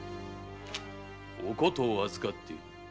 「お琴を預かっている。